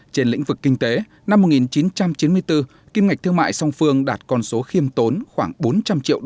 trên lĩnh vực kinh tế năm một nghìn chín trăm chín mươi bốn kim ngạch thương mại song phương đạt con số khiêm tốn khoảng bốn trăm linh triệu usd